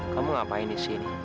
kamu ngapain di sini